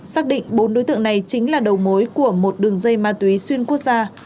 xác định bốn đối tượng này chính là đầu mối của một đường dây ma túy xuyên quốc gia